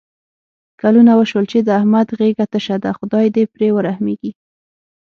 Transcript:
کلونه وشول چې د احمد غېږه تشه ده. خدای دې پرې ورحمېږي.